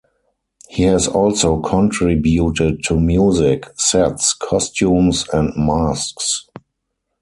He has also contributed to music, sets, costumes and masks.